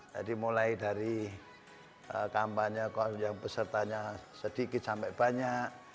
jadi mulai dari kampanye yang pesertanya sedikit sampai banyak